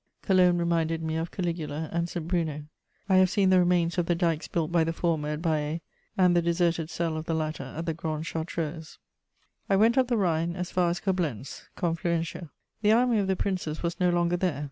Cologne reminded me of Caligula and St. Bruno; I have seen the remains of the dykes built by the former at Baiæ, and the deserted cell of the latter at the Grande Chartreuse. I went up the Rhine as far as Coblentz: Confluentia. The Army of the Princes was no longer there.